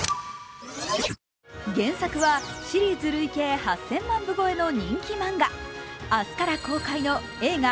原作はシリーズ累計８０００万部超えの人気漫画。